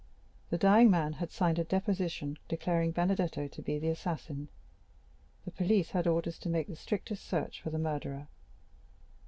The dying man had signed a deposition declaring Benedetto to be the assassin. The police had orders to make the strictest search for the murderer.